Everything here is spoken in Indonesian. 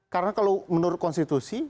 karena kalau menurut konstitusi